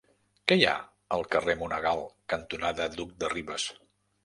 Què hi ha al carrer Monegal cantonada Duc de Rivas?